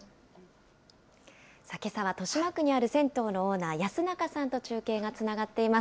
けさは豊島区にある銭湯のオーナー、安中さんと中継がつながっています。